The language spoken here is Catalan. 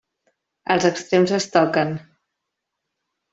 Els extrems es toquen.